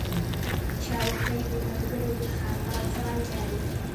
چوکۍ د ملګرو د خندا ځای دی.